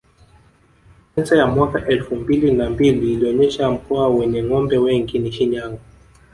Sensa ya mwaka elfu mbili na mbili ilionesha mkoa wenye ngombe wengi ni Shinyanga